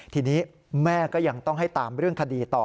ทีนี้แม่ก็ยังต้องให้ตามเรื่องคดีต่อ